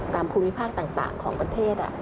ภูมิภาคต่างของประเทศ